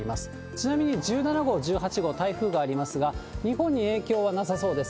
ちなみに１７号、１８号、台風がありますが、日本に影響はなさそうです。